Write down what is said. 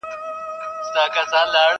چي پاچا سو انتخاب فیصله وسوه!!